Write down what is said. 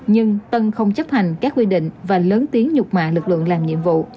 nhưng tân không chấp hành các quy định và lớn tiếng nhục mạng lực lượng làm nhiệm vụ